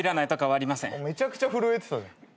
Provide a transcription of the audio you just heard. めちゃくちゃ震えてたじゃん。